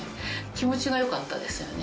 気持ちが良かったですよね。